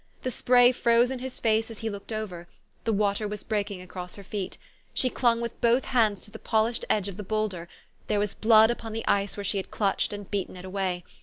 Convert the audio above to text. The spray froze in his face as he looked over. The water was breaking across her feet. She clung with both hands to the polished edge of the bowlder : there was blood upon the ice where she had clutched and beaten it away.